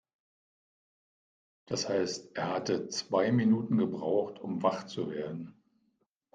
Das heißt, er hatte zwei Minuten gebraucht, um wach zu werden.